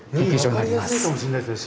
より分かりやすいかもしれないですね